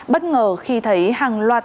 bất ngờ khi thấy hàng loạt